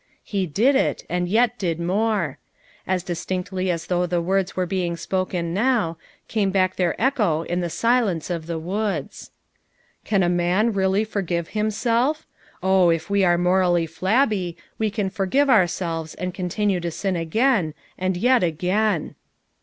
He did it, and did yet more. As distinctly as though the words were being spoken now, came back their echo in the silence of the woods. 11 Can a man really forgive himself? Oh, if we are morally flabby, we can forgive our selves, and continue; to sin again, and yet again."